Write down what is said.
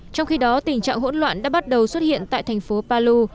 trong khi đó tình trạng hỗn loạn đã bắt đầu xuất hiện tại thành phố palu